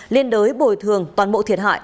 liên đối bồi thường toàn bộ thiệt hại